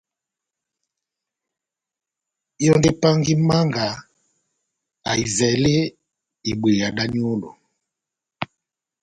Yɔndi epangahi Manga ahivɛle ibweya da nyolo